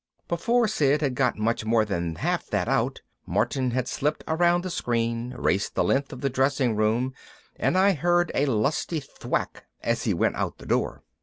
Before Sid had got much more than half of that out, Martin had slipped around the screen, raced the length of the dressing room, and I'd heard a lusty thwack as he went out the door.